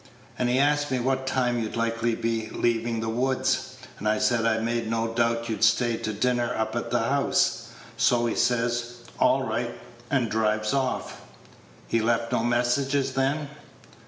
And he asked me what time you'd be likely to be leavin' the Woods; and I said I made no doubt you'd stay to dinner up at the house. So he says 'All right,' and drives off." "He left no message, then?"